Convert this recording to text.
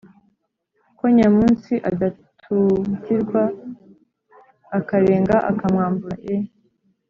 ko nya munsi adatugirwa akarenga akamwambura eee